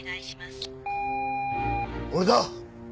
俺だ！